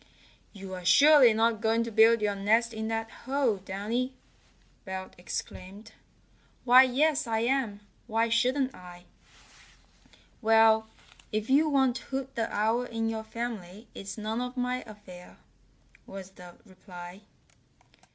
"You're surely not going to build your nest in that hole Downy!" Belt exclaimed. "Why, yes, I am! Why shouldn't I?" "Well, if you want Hoot the Owl in your family it's none of my affair," was the reply.